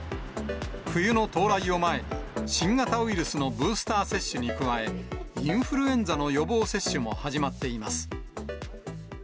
冬の到来を前に、新型ウイルスのブースター接種に加え、インフルエンザの予防接種も始まっています。